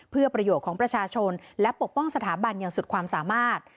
เพื่อประโยชน์ของประชาชนและปกป้องสถาบันอย่างสุดความสามารถ